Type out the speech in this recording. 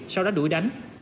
sau đó đuổi đánh